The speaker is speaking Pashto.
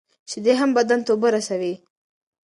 شیدې هم بدن ته اوبه رسوي.